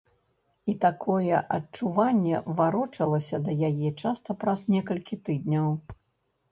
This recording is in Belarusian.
І такое адчуванне варочалася да яе часта праз некалькі тыдняў.